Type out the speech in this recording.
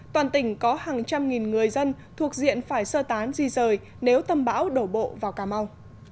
toàn tỉnh có hàng trăm nghìn người dân thuộc diện phải sơ tán di rời nếu tâm bão đổ bộ vào cà mau